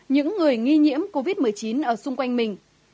những người nghi nhiễm covid một mươi chín ở xung quanh mình